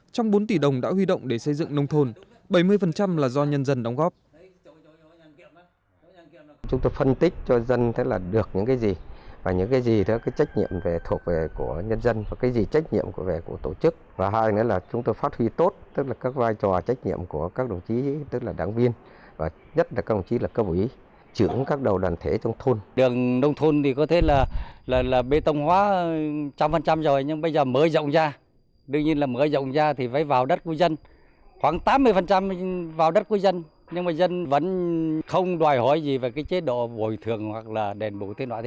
trong bốn tỷ đồng đã huy động để xây dựng nông thôn bảy mươi là do nhân dân đóng góp